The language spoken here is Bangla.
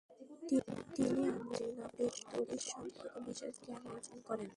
তিনি আঞ্জিনা পেক্তরিস সম্পর্কে বিশেষ জ্ঞান অর্জন করেন ।